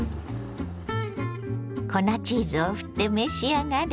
粉チーズをふって召し上がれ。